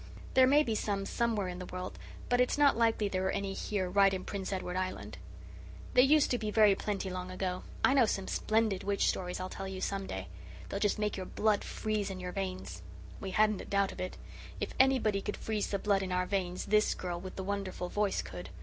There may be some somewhere in the world, but it's not likely there are any here right in Prince Edward Island. They used to be very plenty long ago. I know some splendid witch stories I'll tell you some day. They'll just make your blood freeze in your veins." We hadn't a doubt of it. If anybody could freeze the blood in our veins this girl with the wonderful voice could.